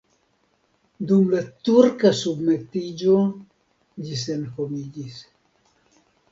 Dum la turka submetiĝo ĝi senhomiĝis.